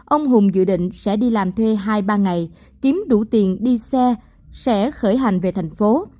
ông hùng dự định sẽ đi làm thuê hai ba ngày kiếm đủ tiền đi xe sẽ khởi hành về thành phố